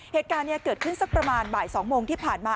เหตุการณ์นี้เกิดขึ้นสักประมาณบ่าย๒โมงที่ผ่านมา